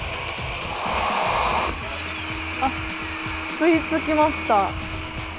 あっ、吸い付きました。